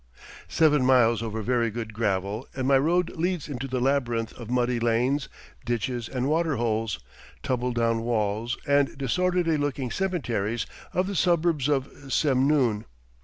Seven miles over very good gravel, and my road leads into the labyrinth of muddy lanes, ditches, and water holes, tumble down walls, and disorderly looking cemeteries of the suburbs of Semnoon.